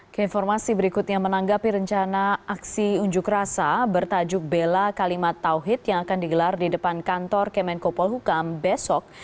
keinformasi berikutnya menanggapi rencana aksi unjuk rasa bertajuk bela kalimat tawhid yang akan digelar di depan kantor kemenkopol hukam besok